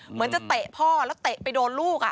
เหมือนจะเตะพ่อแล้วเตะไปโดนลูก